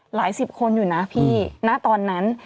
หลายสิบคนอยู่นะพี่ณตอนนั้น